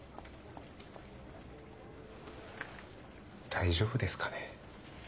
大丈夫ですかね？